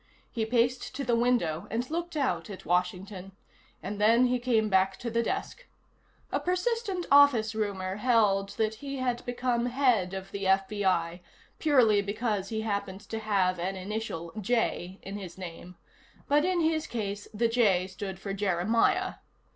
He paced to the window and looked out at Washington, and then he came back to the desk. A persistent office rumor held that he had become head of the FBI purely because he happened to have an initial J in his name, but in his case the J stood for Jeremiah.